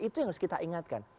itu yang harus kita ingatkan